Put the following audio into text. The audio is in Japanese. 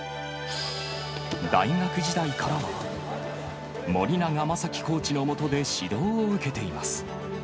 大学時代からは、森長正樹コーチの下で指導を受けています。